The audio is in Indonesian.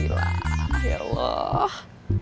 rizky alhamdulillah ya allah